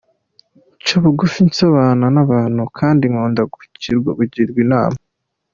Nca bugufi, nsabana n’abantu kandi nkunda kugirwa inama”.